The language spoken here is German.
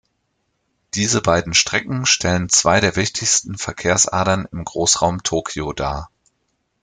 Diese beiden Strecken stellen zwei der wichtigsten Verkehrsadern im Großraum Tokio dar.